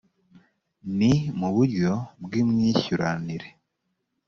ni mu buryo bw imyishyuranire